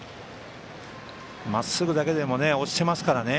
まっすぐだけでも押してますからね。